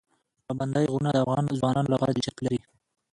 پابندی غرونه د افغان ځوانانو لپاره دلچسپي لري.